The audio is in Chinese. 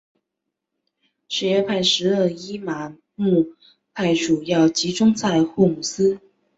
什叶派十二伊玛目派主要集中在霍姆斯。